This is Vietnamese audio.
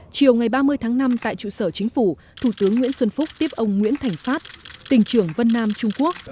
chiều ngày ba mươi tháng năm tại trụ sở chính phủ thủ tướng nguyễn xuân phúc tiếp ông nguyễn thành phát tỉnh trưởng vân nam trung quốc